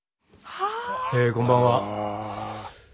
こんばんは。